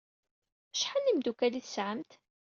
Acḥal n yimeddukal ay tesɛamt?